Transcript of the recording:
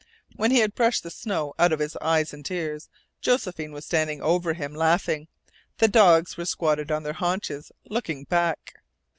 When he had brushed the snow out of his eyes and ears Josephine was standing over him, laughing. The dogs were squatted on their haunches, looking back.